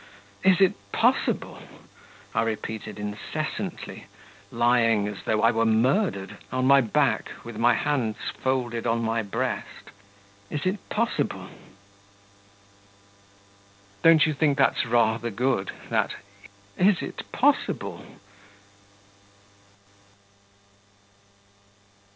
'Is it possible?' I repeated incessantly, lying, as though I were murdered, on my back with my hands folded on my breast 'is it possible?'...Don't you think that's rather good, that 'is it possible?'